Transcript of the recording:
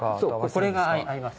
そうこれが合います。